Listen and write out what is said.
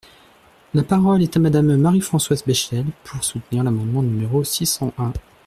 La parole est à Madame Marie-Françoise Bechtel, pour soutenir l’amendement numéro six cent un.